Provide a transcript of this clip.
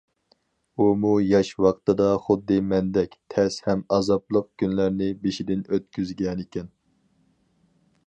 ئۇمۇ ياش ۋاقتىدا خۇددى مەندەك تەس ھەم ئازابلىق كۈنلەرنى بېشىدىن ئۆتكۈزگەنىكەن.